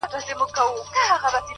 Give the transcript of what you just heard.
ستا سپورې څڼې، زما وچې شونډې